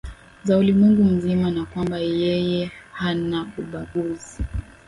za ulimwengu mzima na kwamba yeye hanaumbaguzi